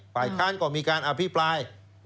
ฝ่ายค้านก็มีการอภิปราย